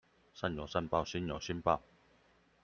善有善報，星有星爆